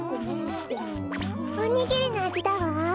おにぎりのあじだわ。